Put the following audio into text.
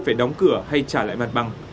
phải đóng cửa hay trả lại mặt bằng